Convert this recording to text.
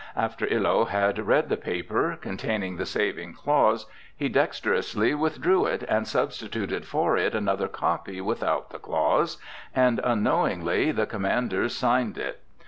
After Illo had read the paper containing the saving clause, he dexterously withdrew it and substituted for it another copy without the clause, and unknowingly the commanders signed it.